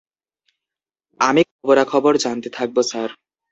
আমি খবরাখবর জানতে থাকব, স্যার।